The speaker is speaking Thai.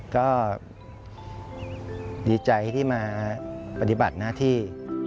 ก็ดีใจที่มาปฏิบัติหน้าที่